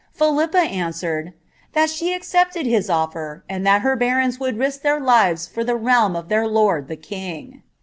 PhiTippft kiia««i«l« ' that she accepted his olTer, and that her batons would risk their hw for the realm aC their lord the king.'